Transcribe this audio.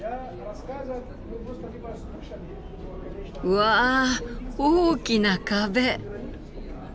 わあ大きな壁！